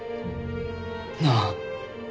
なあ。